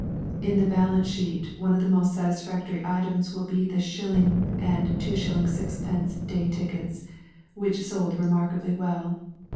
In the balance sheet, one of the most satisfactory items will be the shilling and 2s. 6d. day tickets, which sold remarkably well.